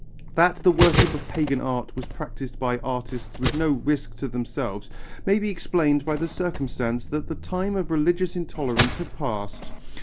That the worship of pagan art was practised by artists with no risk to themselves may be explained by the circumstance that the time of religious intolerance had passed.